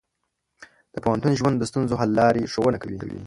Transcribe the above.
د پوهنتون ژوند د ستونزو حل لارې ښوونه کوي.